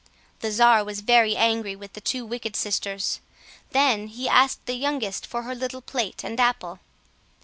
The czar was very angry with the two wicked sisters; then he asked the youngest for her little plate and apple.